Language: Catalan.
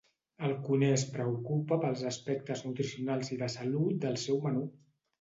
El cuiner es preocupa pels aspectes nutricionals i de salut del seu menú.